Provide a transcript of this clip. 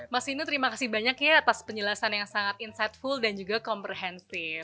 mas hindu terima kasih banyak ya atas penjelasan yang sangat insightful dan juga komprehensif